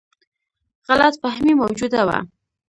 غلط فهمي موجوده وه.